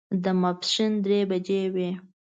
د ماسپښین درې بجې وې.